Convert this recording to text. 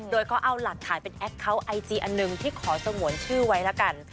โดยเขาเอาหลักฐานเป็นแอคเคาน์ไอจีอันหนึ่งที่ขอสงวนชื่อไว้แล้วกัน